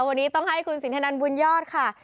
วันนี้ต้องให้คุณสินทนันบุญยอดค่ะ